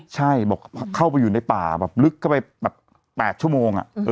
ใช่บอกเข้าไปอยู่ในป่าแบบลึกเข้าไปแบบ๘ชั่วโมง